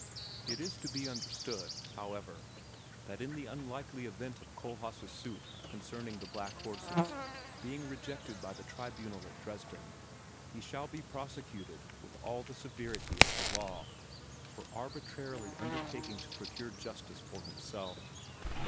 It is to be understood, however, that in the unlikely event of Kohlhaas' suit concerning the black horses being rejected by the Tribunal at Dresden, he shall be prosecuted with all the severity of the law for arbitrarily undertaking to procure justice for himself.